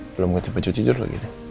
belum ketiba cuci jur lagi